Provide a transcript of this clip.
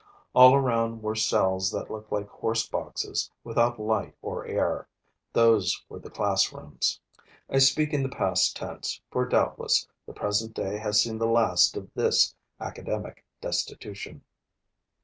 All around were cells that looked like horse boxes, without light or air; those were the classrooms. I speak in the past tense, for doubtless the present day has seen the last of this academic destitution.